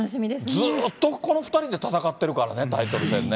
ずーっとこの２人で戦ってるからね、タイトル戦ね。